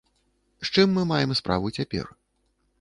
З чым мы маем справу цяпер?